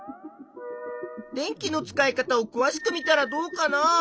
電気の使い方をくわしくみたらどうかな。